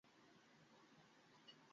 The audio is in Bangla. বড়ো হলে, তা বুঝতে পারবে।